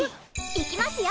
行きますよ